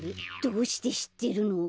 どうしてしってるの？